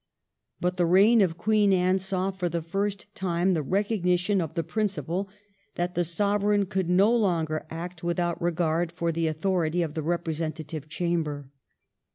But the reign of Queen Anne saw for the first time the recognition of the principle that the Sovereign could no longer act without regard for the authority of the represen tative chamber.